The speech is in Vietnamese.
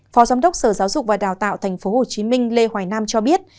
phó giám đốc sở giáo dục và đào tạo tp hcm lê hoài nam cho biết